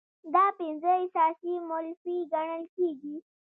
دا پنځه اساسي مولفې ګڼل کیږي.